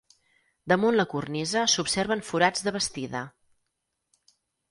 Damunt la cornisa s'observen forats de bastida.